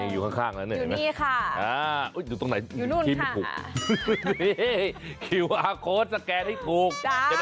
อยู่ข้างแล้วเห็นไหม